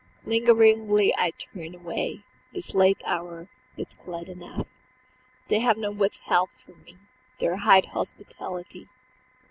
Lingeringly I turn away, This late hour, yet glad enough They have not withheld from me Their high hospitality.